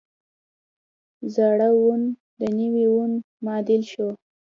زاړه وون د نوي وون معادل شول.